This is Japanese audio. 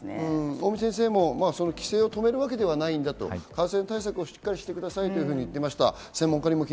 尾身先生も規制を止めるわけではないんだ、感染対策をしっかりしてくださいと言っています。